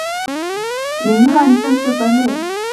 宁汉正式分裂。